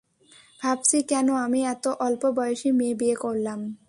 ভাবছি কেন আমি এত অল্প বয়সি মেয়ে বিয়ে করলাম।